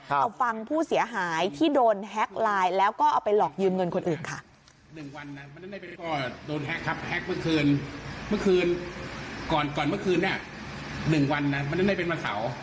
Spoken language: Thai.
เอาฟังผู้เสียหายที่โดนแฮ็กไลน์แล้วก็เอาไปหลอกยืมเงินคนอื่นค่ะ